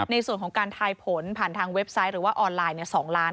ในส่วนของการทายผลผ่านทางเว็บไซต์หรือว่าออนไลน์๒ล้าน